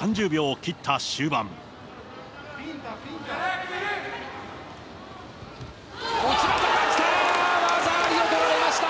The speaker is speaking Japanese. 来た、技ありを取られました。